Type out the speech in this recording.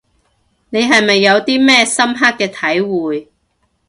你係咪有啲咩深刻嘅體會